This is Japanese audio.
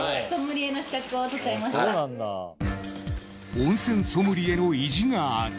温泉ソムリエの意地がある。